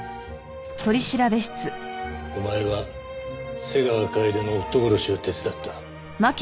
お前は瀬川楓の夫殺しを手伝った。